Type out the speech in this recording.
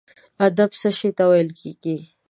ادب څه شي ته ویل کیږي؟